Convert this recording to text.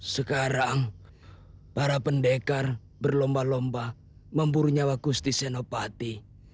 sekarang para pendekar berlomba lomba memburu nyawa kusti senopati